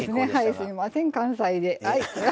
すいません関西で。